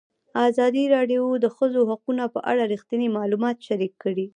ازادي راډیو د د ښځو حقونه په اړه رښتیني معلومات شریک کړي.